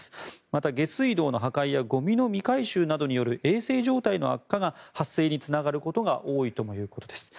また、下水道の破壊やゴミの未回収などによる衛生状態の悪化が発生につながることが多いということです。